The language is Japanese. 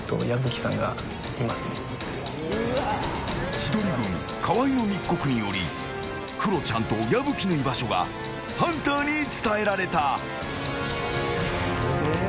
千鳥軍、河合の密告によりクロちゃんと矢吹の居場所がハンターに伝えられた。